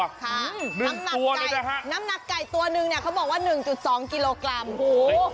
ค่ะหนึ่งตัวเลยนะฮะน้ำหนักไก่ตัวหนึ่งเนี่ยเขาบอกว่าหนึ่งจุดสองกิโลกรัมโอ้โห